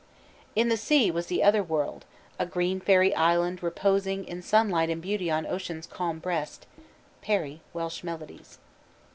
In the sea was the Otherworld, a "Green fairy island reposing In sunlight and beauty on ocean's calm breast." PARRY: _Welsh Melodies.